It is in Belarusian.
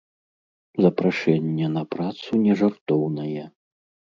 Запрашэнне на працу нежартоўнае.